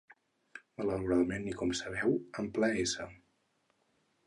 Malauradament, i com sabeu, en ple s.